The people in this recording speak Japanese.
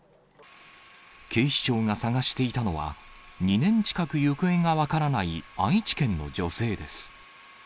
警視庁が捜していたのは、２年近く行方が分からない愛知県の女性です。